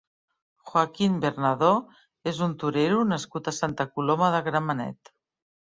Joaquín Bernadó és un torero nascut a Santa Coloma de Gramenet.